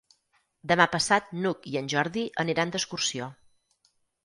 Demà passat n'Hug i en Jordi aniran d'excursió.